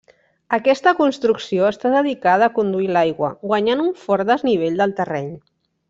Aquesta construcció està dedicada a conduir l'aigua, guanyant un fort desnivell del terreny.